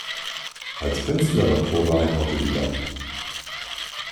Als Künstler war Trova ein Autodidakt.